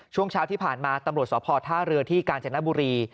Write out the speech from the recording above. ช่วงเช้าที่ผ่านมาตำรวจสพท่าเรือที่กาญจนบุรี